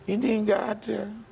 ini nggak ada